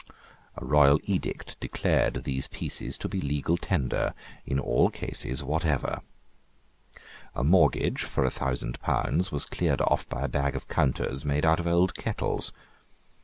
A royal edict declared these pieces to be legal tender in all cases whatever. A mortgage for a thousand pounds was cleared off by a bag of counters made out of old kettles.